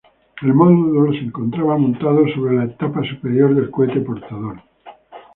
El módulo se encontraba montado sobre la etapa superior del cohete portador.